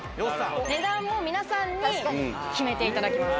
値段も皆さんに決めていただきます。